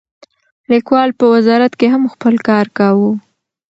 لیکوال په وزارت کې هم خپل کار کاوه.